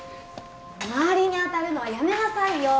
周りに当たるのはやめなさいよ！